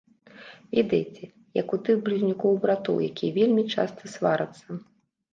Ведаеце, як у тых блізнюкоў-братоў, якія вельмі часта сварацца.